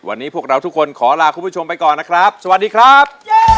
วันนี้พวกเราทุกคนขอลาคุณผู้ชมไปก่อนนะครับสวัสดีครับ